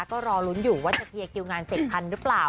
ก็รอลุ้นอยู่ว่าจะเคลียร์คิวงานเสร็จทันหรือเปล่า